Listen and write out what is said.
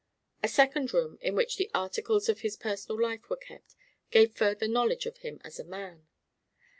A second room, in which the articles of his personal life were kept, gave further knowledge of him as a man.